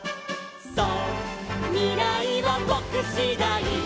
「そうみらいはぼくしだい」